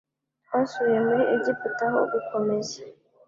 Twasubiye muri Egiputa aho gukomeza